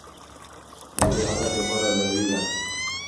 او د دې حالت د پاره ضروري ده